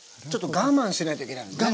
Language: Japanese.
我慢しないといけない。